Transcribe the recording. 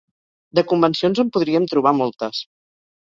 De convencions en podríem trobar moltes.